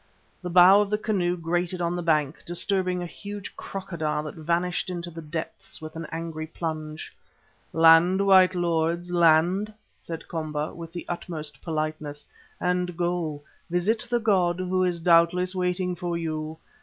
The bow of the canoe grated on the bank, disturbing a huge crocodile that vanished into the depths with an angry plunge. "Land, white lords, land," said Komba with the utmost politeness, "and go, visit the god who doubtless is waiting for you.